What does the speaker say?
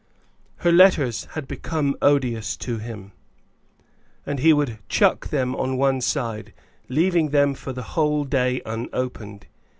Her letters had become odious to him, and he would chuck them on one side, leaving them for the whole day unopened.